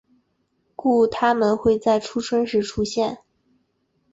故它们会在初春时出现。